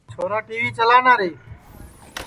چھورا ٹی وی چلانا رے